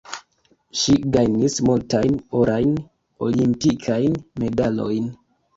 Ŝi gajnis multajn orajn olimpikajn medalojn.